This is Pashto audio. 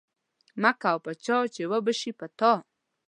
مه کوه په چا چی اوبه شی په تا.